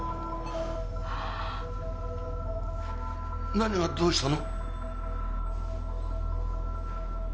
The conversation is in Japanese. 何がどうしたの？